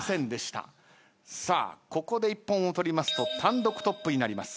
さあここで一本を取りますと単独トップになります。